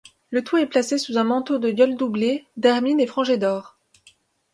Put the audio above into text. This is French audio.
Le tout est placé sous un manteau de gueules doublé d'hermines et frangé d'or.